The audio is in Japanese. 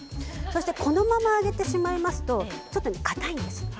このまま入れてしまいますとちょっとかたいんですよね。